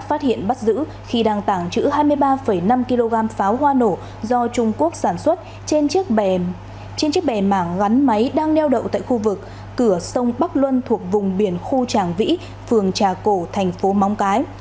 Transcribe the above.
phát hiện bắt giữ khi đang tàng trữ hai mươi ba năm kg pháo hoa nổ do trung quốc sản xuất trên chiếc bè mảng gắn máy đang neo đậu tại khu vực cửa sông bắc luân thuộc vùng biển khu tràng vĩ phường trà cổ thành phố móng cái